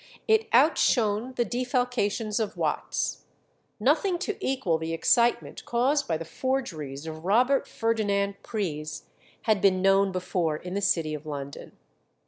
It outshone the defalcations of Watts. Nothing to equal the excitement caused by the forgeries of Robert Ferdinand Pries had been known before in the city of London.